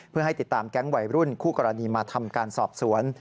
เพื่อให้ติดตามแก๊งวัยรุ่นคู่กรณีมาทำการสอบสวน